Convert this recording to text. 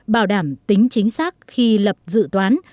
bảo đảm tính chính xác khi lập dự toán